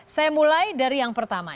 saya mulai dari yang pertama